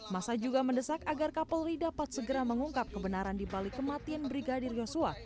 masa juga mendesak agar kapolri dapat segera mengungkap kebenaran dibalik kematian brigadir yosua